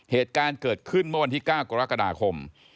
เหตุการณ์เกิดขึ้นเมื่อวันที่๙กรกฎาคม